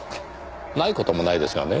ない事もないですがね。